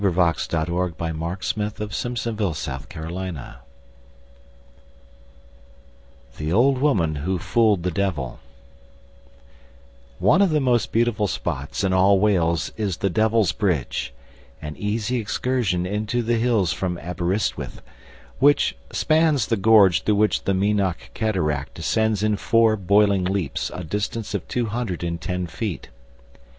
[Illustration: Pennard Castle] THE OLD WOMAN WHO FOOLED THE DEVIL One of the most beautiful spots in all Wales is the Devil's Bridge an easy excursion into the hills from Aberystwyth which spans the gorge through which the Mynach cataract descends in four boiling leaps a distance of two hundred and ten feet.